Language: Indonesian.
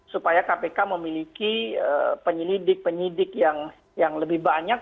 supaya kpk memiliki penyelidik penyidik yang lebih banyak